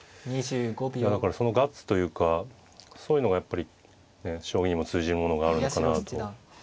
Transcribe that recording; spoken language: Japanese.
だからそのガッツというかそういうのがやっぱり将棋にも通じるものがあるのかなと。